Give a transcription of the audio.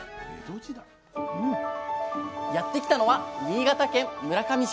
やって来たのは新潟県村上市。